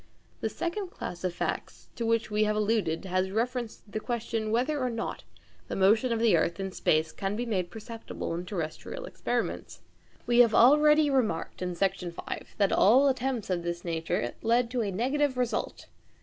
The second class of facts to which we have alluded has reference to the question whether or not the motion of the earth in space can be made perceptible in terrestrial experiments. We have already remarked in Section 5 that all attempts of this nature led to a negative result.